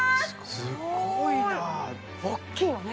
すっごいなあ大きいよね